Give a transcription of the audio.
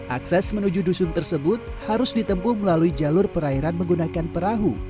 akses menuju dusun tersebut harus ditempuh melalui jalur perairan menggunakan perahu